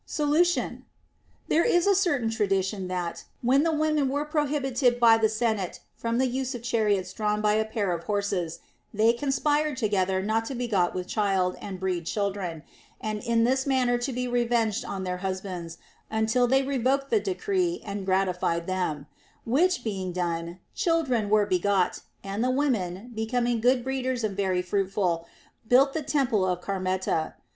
Solution. There is a certain tradition that, when the women were prohibited by the senate from the use of char iots drawn by a pair of horses, they conspired together not to be got with child and breed children, and in this manner to be revenged on their husbands until they revoked the decree and gratified them ; which being done, children were begot, and the women, becoming good breeders and very fruitful, built the temple of Carmenta.